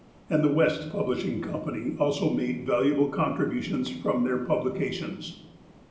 and the West Publishing Co. also made valuable contributions from their publications.